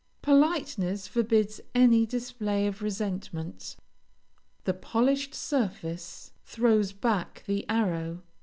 Politeness forbids any display of resentment. The polished surface throws back the arrow.